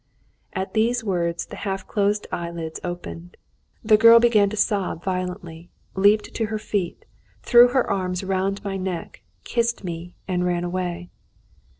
At these words the half closed eyelids opened. The girl began to sob violently, leaped to her feet, threw her arms round my neck, kissed me, and ran away.